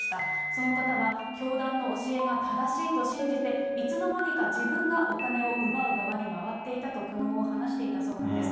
その方は教団の教えが正しいと信じて、いつのまにか自分がお金を奪う側に回っていたと苦悩を話していたそうなんです。